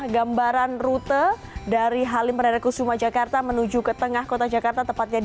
gambaran rute dari halim perdana kusuma jakarta menuju ke tengah kota jakarta tepatnya di